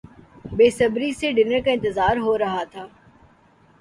بےصبری سے ڈنر کا انتظار ہورہا تھا